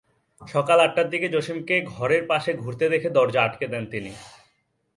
সকাল আটটার দিকে জসিমকে ঘরের পাশে ঘুরতে দেখে দরজা আটকে দেন তিনি।